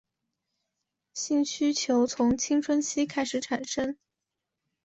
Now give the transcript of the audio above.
性需求从青春期开始产生。